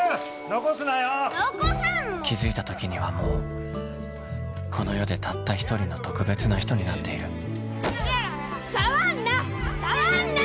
残さんもん気づいた時にはもうこの世でたった一人の特別な人になっている触んな触んな！